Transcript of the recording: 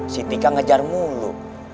si tika ngejar mulu